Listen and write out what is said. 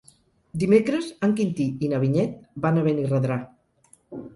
Dimecres en Quintí i na Vinyet van a Benirredrà.